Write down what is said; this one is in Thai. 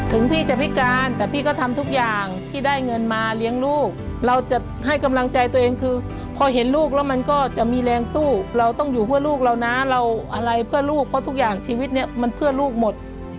พี่จะพิการแต่พี่ก็ทำทุกอย่างที่ได้เงินมาเลี้ยงลูกเราจะให้กำลังใจตัวเองคือพอเห็นลูกแล้วมันก็จะมีแรงสู้เราต้องอยู่เพื่อลูกเรานะเราอะไรเพื่อลูกเพราะทุกอย่างชีวิตเนี่ยมันเพื่อลูกหมด